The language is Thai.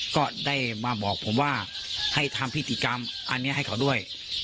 ก็ได้มาบอกผมว่าให้ทำพิธีกรรมอันนี้ให้เขาด้วย